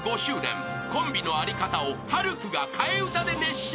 ［コンビの在り方を晴空が替え歌で熱唱］